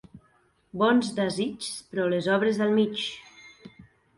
Bons desigs, però les obres al mig.